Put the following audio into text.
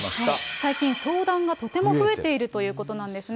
最近、相談がとても増えているということなんですね。